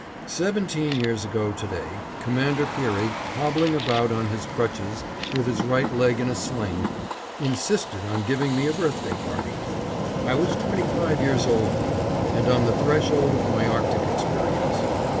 Seventeen years ago to day, Commander Peary, hobbling about on his crutches with his right leg in a sling, insisted on giving me a birthday party. I was twenty five years old then, and on the threshold of my Arctic experience.